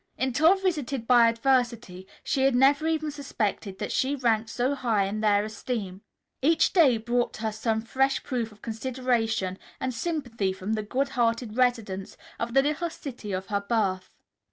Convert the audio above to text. Until visited by adversity, she had never even suspected that she ranked so high in their esteem. Each day brought her some fresh proof of consideration and sympathy from the good hearted residents of the little city of her birth.